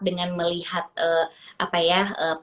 dengan melihat apa ya